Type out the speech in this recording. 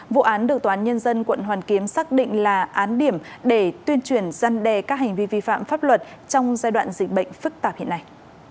vụ án được tòa án nhân dân quận hoàn kiếm xác định là án điểm để tuyên truyền dân đề các hành vi vi phạm pháp luật trong giai đoạn dịch bệnh phức tạp hiện nay